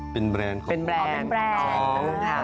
เป็นแบรนด์ของผม